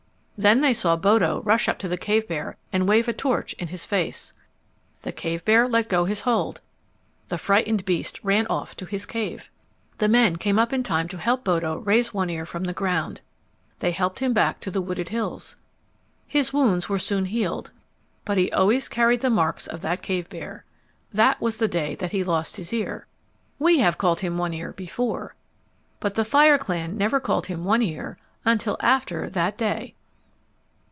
Then they saw Bodo rush up to the cave bear and wave a torch in his face. The cave bear let go his hold. The frightened beast ran off to his cave. The men came up in time to help Bodo raise One Ear from the ground. They helped him back to the wooded hills. His wounds were soon healed, but he always carried the marks of that cave bear. That was the day that he lost his ear. We have called him One Ear before, but the fire clan never called him One Ear until after that day.